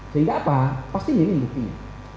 sehingga apa pasti mirip buktinya